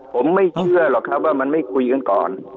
ผมไม่เชื่อหรอกครับว่ามันไม่คุยกันก่อน